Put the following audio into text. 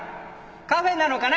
カフェなのかな？